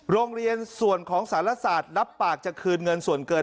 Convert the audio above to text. โรงเรียนส่วนของสารศาสตร์รับปากจะคืนเงินส่วนเกิน